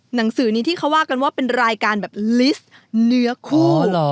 หนังสือนี้ที่เขาว่ากันว่าเป็นรายการแบบลิสต์เนื้อคู่เหรอ